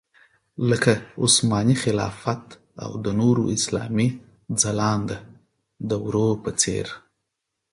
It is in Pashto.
لکه عثماني خلافت او د نورو اسلامي ځلانده دورو په څېر.